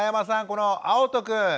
このあおとくん。